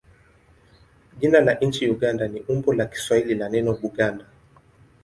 Jina la nchi Uganda ni umbo la Kiswahili la neno Buganda.